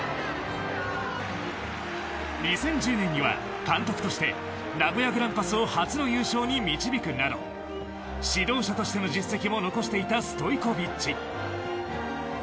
２０１０年には監督として名古屋グランパスを初の優勝に導くなど指導者としての実績も残していたストイコヴィッチ。